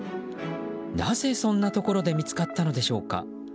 なぜ、そんなところで見つかったのでしょうか。